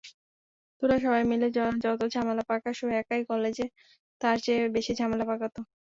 তোরা সবাই মিলে যত ঝামেলা পাকাস ও একাই কলেজে তার চেয়ে বেশি ঝামেলা পাকাত।